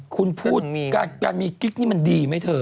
คุณพูดการมีกิ๊กนี่มันดีไหมเธอ